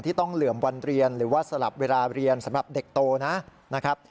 ที่ต้องเหลือมวันเรียนหรือว่าสำหรับเวลาเรียนสำหรับเด็กโตนะ